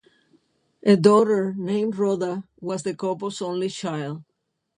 A daughter named Rhoda was the couple's only child.